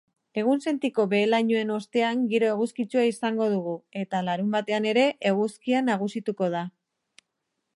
Egunsentiko behe-lainoen ostean giro eguzkitsua izango dugu eta larunbatean ere eguzkia nagusituko da.